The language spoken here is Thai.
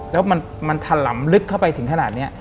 แล้วมันถล่ำลึกเข้าไปถึงขนาดนี้